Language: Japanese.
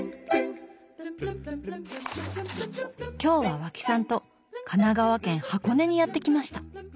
今日は和氣さんと神奈川県・箱根にやって来ました。